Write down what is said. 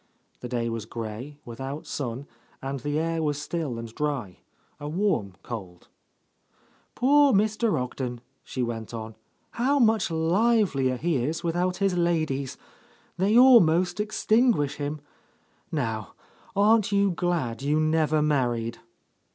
The day was grey, without sun, and the air was still and dry, a warm cold. "Poor Mr. Ogden," she went on, "how much livelier he is without his ladies I They almost extinguish him. Now aren't you glad you never married?"